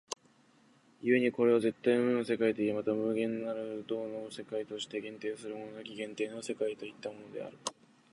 故にこれを絶対無の世界といい、また無限なる動の世界として限定するものなき限定の世界ともいったのである。